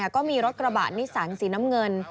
ก็มีรถกระบะนิสันสีน้ำเงิน